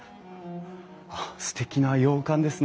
あっすてきな洋館ですね。